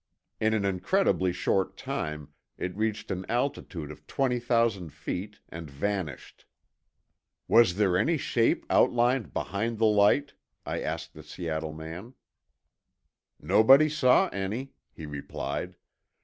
In an incredibly short time, it reached an altitude of twenty thousand feet and vanished. "Was there any shape outlined behind the light?" I asked the Seattle man. "Nobody saw any," he replied.